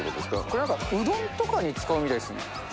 これなんかうどんとかに使うみたいですね。